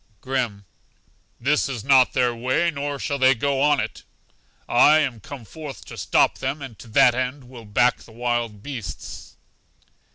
Grim: This is not their way, nor shall they go on it. I am come forth to stop them, and to that end will back the wild beasts.